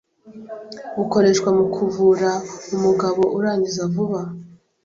bukoreshwa mu kuvura umugabo urangiza vuba